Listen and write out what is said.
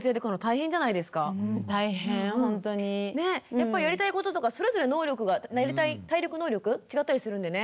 やっぱりやりたいこととかそれぞれ能力が体力能力違ったりするんでね。